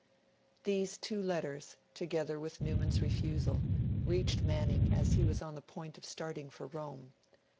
These two letters, together with Newman's refusal, reached Manning as he was on the point of starting for Rome.